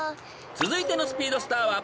［続いてのスピードスターは］